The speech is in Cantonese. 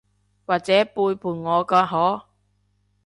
或者背叛我㗎嗬？